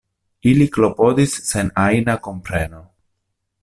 Ili klopodis sen ajna kompreno.